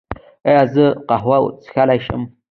ایا زه قهوه څښلی شم؟